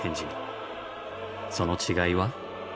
その違いは。